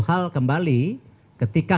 hal kembali ketika